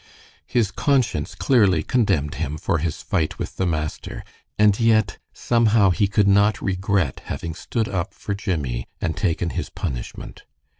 His conscience clearly condemned him for his fight with the master, and yet, somehow he could not regret having stood up for Jimmie and taken his punishment.